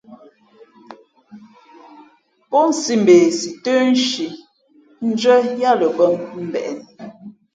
Pó nsī mbe si tə́ nshǐ ndʉ́ά yáá lα bᾱ mbeʼ nu bᾱ.